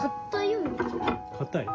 かたいよ。